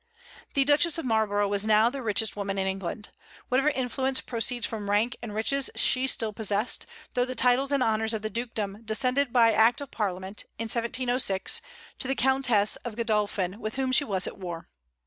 The Duchess of Marlborough was now the richest woman in England. Whatever influence proceeds from rank and riches she still possessed, though the titles and honors of the dukedom descended by act of Parliament, in 1706, to the Countess of Godolphin, with whom she was at war.